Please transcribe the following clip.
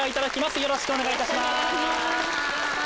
よろしくお願いします。